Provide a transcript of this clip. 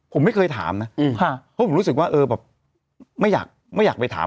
ผมไม่เคยถามนะเพราะผมรู้สึกว่าเออแบบไม่อยากไม่อยากไปถาม